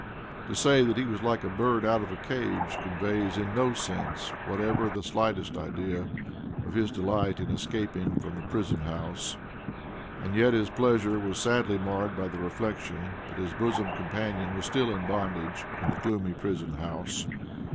To say that he was like a bird out of a cage, conveys in no sense whatever the slightest idea of his delight in escaping from the prison house. And yet, his pleasure was sadly marred by the reflection that his bosom companion was still in bondage in the gloomy prison house.